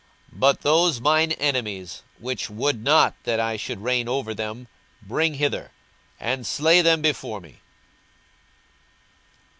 42:019:027 But those mine enemies, which would not that I should reign over them, bring hither, and slay them before me.